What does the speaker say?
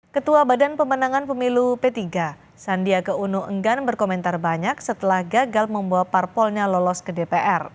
ketua badan pemenangan pemilu p tiga sandiaga uno enggan berkomentar banyak setelah gagal membawa parpolnya lolos ke dpr